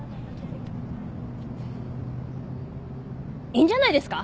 いいんじゃないですか？